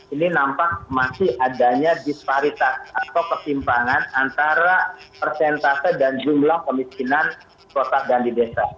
ini nampak masih adanya disparitas atau ketimpangan antara persentase dan jumlah kemiskinan kota dan di desa